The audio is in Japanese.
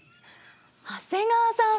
長谷川さん風。